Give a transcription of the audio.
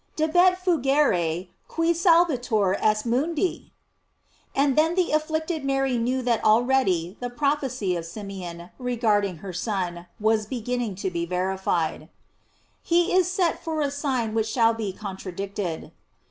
" Debet fugere qui salvator est mundi?"* And then the afflicted Mary knew that already the prophecy of Simeon, regarding her Son, was beginning to be verified: " He is set for a sign which shall be contradicted."